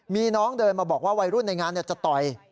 มีน้องเดินมาบอกว่าวัยรุ่นในงานจะต่อย